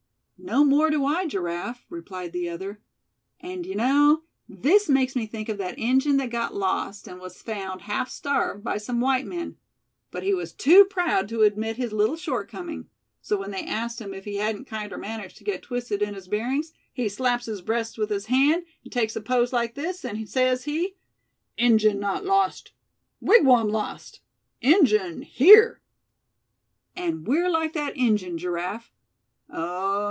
"No more do I, Giraffe," replied the other. "And d'ye know, this makes me think of that Injun that got lost, and was found, half starved, by some white men; but he was too proud to admit his little shortcoming; so when they asked him if he hadn't kinder managed to get twisted in his bearings, he slaps his breast with his hand, take a pose like this, and says he: 'Injun not lost; wigwam lost; Injun here!' And we're like that Injun, Giraffe; oh!